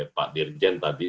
pak dirjen tadi